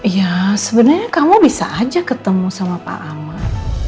ya sebenarnya kamu bisa aja ketemu sama pak amar